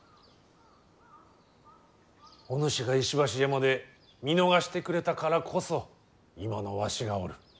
おぬしが石橋山で見逃してくれたからこそ今のわしがおる。